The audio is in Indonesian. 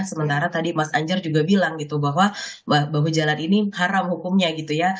sementara tadi mas anjar juga bilang gitu bahwa bahu jalan ini haram hukumnya gitu ya